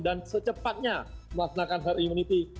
dan secepatnya melaksanakan her humanity